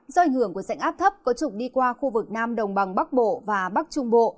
do ảnh hưởng của sảnh áp thấp có trục đi qua khu vực nam đồng bằng bắc bộ và bắc trung bộ